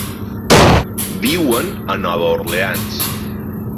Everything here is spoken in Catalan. Viuen a Nova Orleans.